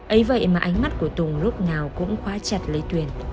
ây vậy mà ánh mắt của tùng lúc nào cũng khóa chặt lấy tuyền